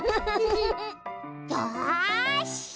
よし！